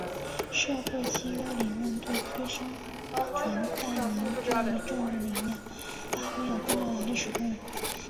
社会契约理论对催生主权在民这一政治理念发挥了重要的历史作用。